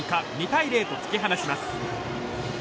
２対０と突き放します。